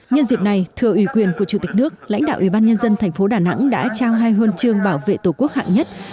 nhân dịp này thưa ủy quyền của chủ tịch nước lãnh đạo ủy ban nhân dân thành phố đà nẵng đã trao hai huân chương bảo vệ tổ quốc hạng nhất